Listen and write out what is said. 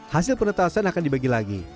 hasil penetasan akan dibagi lagi